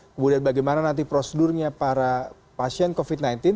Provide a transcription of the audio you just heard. kemudian bagaimana nanti prosedurnya para pasien covid sembilan belas